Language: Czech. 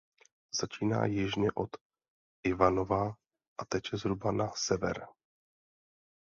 Začíná jižně od Ivanova a teče zhruba na sever.